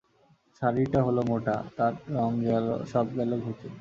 শাড়িটা হল মোটা, তার রঙ সব গেল ঘুচে।